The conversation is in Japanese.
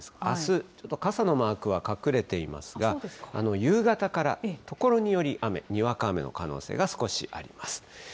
あす、ちょっと傘のマークは隠れていますが、夕方からところにより雨、にわか雨の可能性が少しあります。